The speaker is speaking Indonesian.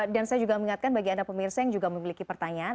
dan saya juga mengingatkan bagi anda pemirsa yang juga memiliki pertanyaan